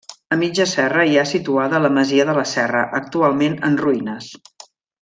A mitja serra hi ha situada la masia de la Serra, actualment en ruïnes.